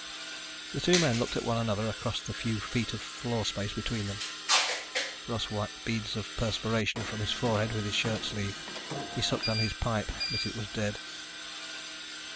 The two men looked at one another across the few feet of floor space between them. Russ wiped beads of perspiration from his forehead with his shirt sleeve. He sucked on his pipe, but it was dead.